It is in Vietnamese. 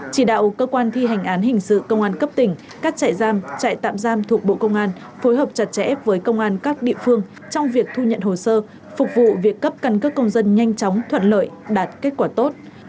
chỉ đạo cơ quan thi hành án hình sự công an cấp tỉnh các trại giam trại tạm giam thuộc bộ công an phối hợp chặt chẽ với công an các địa phương trong việc thu nhận hồ sơ phục vụ việc cấp căn cước công dân nhanh chóng thuận lợi đạt kết quả tốt